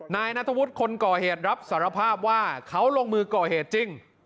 นายนัทวุฒิคนก่อเหตุรับสารภาพว่าเขาลงมือก่อเหตุจริง